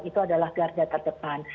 itu adalah garda terdepan